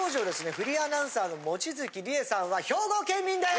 フリーアナウンサーの望月理恵さんは兵庫県民です。